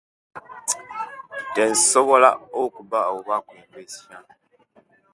Tensobola okuba oba kwembesia